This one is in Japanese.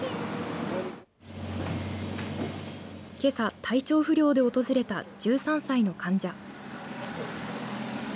けさ体調不良で訪れた１３歳の患者。